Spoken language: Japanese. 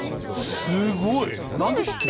すごい。何で知ってるの？